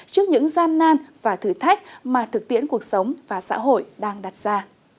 trước những gian nan và thử thách mà thực tiễn cuộc sống và xã hội đang đặt ra